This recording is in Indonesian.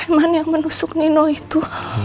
emang yang menusuk nino itu